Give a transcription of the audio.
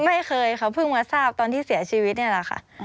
ไม่เคยเขาเพิ่งมาทราบตอนที่เสียชีวิตนี่แหละค่ะ